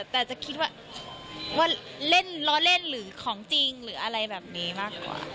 แต่จะคิดว่าเล่นล้อเล่นหรือของจริงหรืออะไรแบบนี้มากกว่า